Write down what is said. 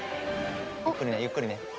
ゆっくりねゆっくりね。